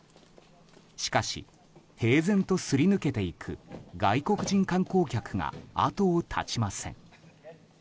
しかし、平然とすり抜けていく外国人観光客が後を絶ちません。